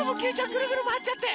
くるくるまわっちゃって。